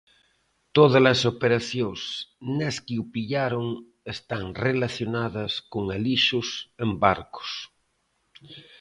Todas as operacións nas que o pillaron están relacionadas con alixos en barcos.